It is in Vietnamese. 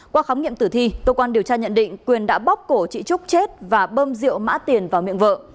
qua khám nghiệm tử thi cơ quan điều tra nhận định quyền đã bóc cổ chị trúc chết và bơm rượu mã tiền vào miệng vợ